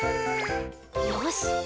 よし。